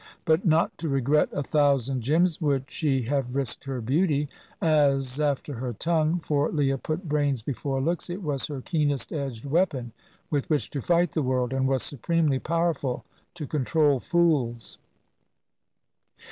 But not to regret a thousand Jims would she have risked her beauty; as, after her tongue for Leah put brains before looks it was her keenest edged weapon with which to fight the world, and was supremely powerful to control fools.